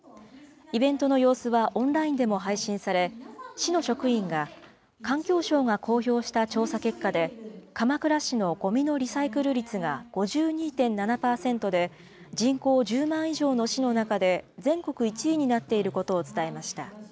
イベントの様子は、オンラインでも配信され、市の職員が、環境省が公表した調査結果で、鎌倉市のごみのリサイクル率が５２．７％で、人口１０万以上の市の中で全国１位になっていることを伝えました。